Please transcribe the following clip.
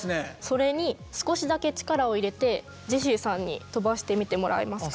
それに少しだけ力を入れてジェシーさんに飛ばしてみてもらえますか？